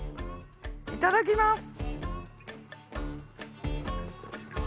いただきます。